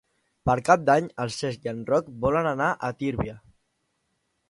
Per Cap d'Any en Cesc i en Roc volen anar a Tírvia.